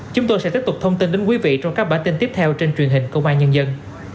chúng tôi sẽ tiếp tục thông tin đến quý vị trong các bản tin tiếp theo trên truyền hình công an nhân dân